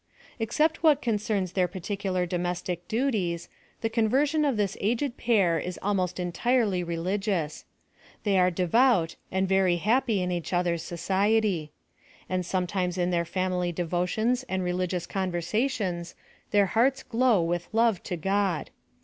Except what concerns rheir particular domestic duties, the conversation of this aged pair is almost entirely religious. They are devout, and very hap py in each other's society. And sometimes in theii family devotions and religious conversations, their iiearts glow with love to God.